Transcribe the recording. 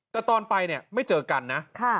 แต่ตอนไปเนี่ยไม่เจอกันนะ